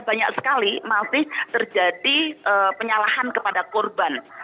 banyak sekali masih terjadi penyalahan kepada korban